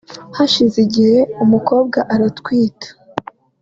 Hashize igihe umukobwa aratwita